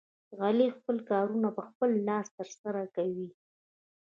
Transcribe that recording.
علي خپل کارونه په خپل لاس ترسره کوي.